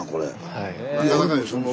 はい。